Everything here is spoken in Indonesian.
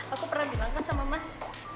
aku pernah bilang kan sama mas